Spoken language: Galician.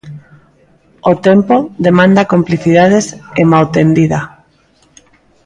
O tempo demanda complicidades e mao tendida.